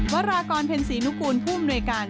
วรากรเพ็ญศรีนุกูลผู้อำนวยการ